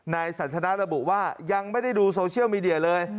สันทนาระบุว่ายังไม่ได้ดูโซเชียลมีเดียเลย